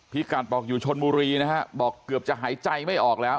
พี่กัดบอกอยู่ชนบุรีนะฮะบอกเกือบจะหายใจไม่ออกแล้ว